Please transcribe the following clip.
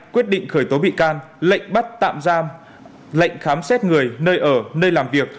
hai quyết định khởi tố bị can lệnh bắt tạm giam lệnh khám xét người